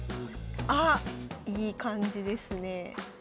あっいい感じですねえ。